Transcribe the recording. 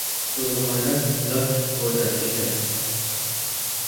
تو ضمانت ضبط ہو جاتی ہے۔